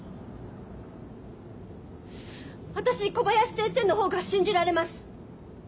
私小林先生の方が信じられます。